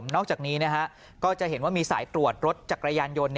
นอกจากนี้ก็จะเห็นว่ามีสายตรวจรถจักรยานยนต์